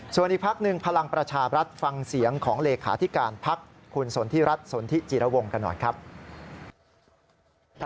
ส่วนอีกภักดิ์หนึ่งภลังประชารัฐฟังเสียงของหลีกขาธิการพรรคทคุณสนทรัฐสนทิศจิรวงศ์